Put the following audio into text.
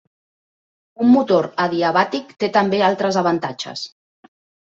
Un motor adiabàtic té també altres avantatges.